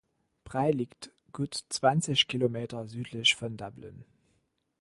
Bray liegt gut zwanzig Kilometer südlich von Dublin.